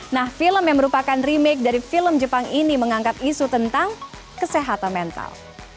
nah film yang merupakan remake dari film jepang ini mengangkat isu tentang kesehatan mental